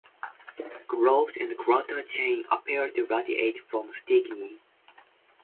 Grooves and crater chains appear to radiate from Stickney.